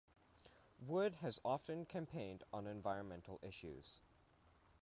Wood has often campaigned on environmental issues.